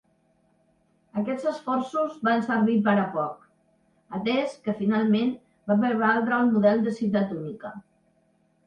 Aquests esforços van servir per a poc, atès que finalment va prevaldre el model de ciutat única.